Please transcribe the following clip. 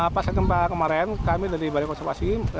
pengukuran dari segi visual